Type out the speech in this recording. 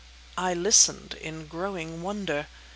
I listened in growing wonder.